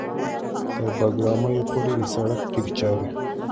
تر بګرامیو پورې د سړک قیر چارې